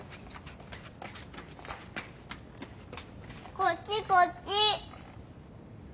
こっちこっち。